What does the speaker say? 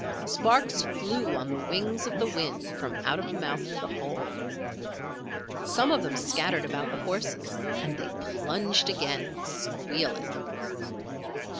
Sparks flew on the wings of the wind from out of the mouth of the hole. Some of them scattered about the horses and they plunged again, squealing.